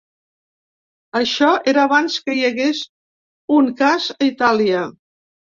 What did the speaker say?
Això era abans que hi hagués un cas a Itàlia.